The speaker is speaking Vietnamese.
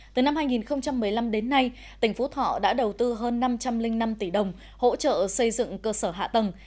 từ năm hai nghìn một mươi năm đến nay tỉnh phú thọ đã đầu tư hơn năm trăm linh năm tỷ đồng hỗ trợ xây dựng cơ sở hạ tầng